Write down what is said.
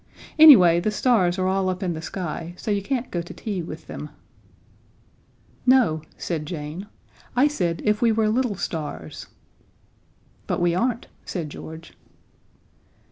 Anyway, the stars are all up in the sky, so you can't go to tea with them." "No," said Jane. "I said if we were little stars." "But we aren't," said George.